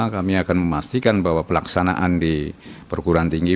kami akan memastikan bahwa pelaksanaan di perguruan tinggi